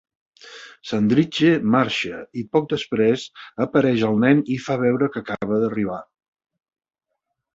Sandridge marxa i poc després apareix el nen i fa veure que acaba d'arribar.